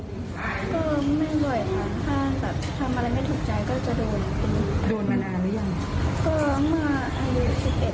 ก็ไม่บ่อยครับ